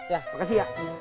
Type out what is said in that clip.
ya makasih ya